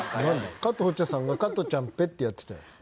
加藤茶さんが「加トちゃんペッ」ってやってたやん。